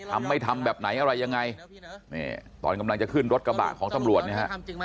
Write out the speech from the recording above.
ทำไม่ทำแบบไหนอะไรยังไงนี่ตอนกำลังจะขึ้นรถกระบะของตำรวจเนี่ยฮะ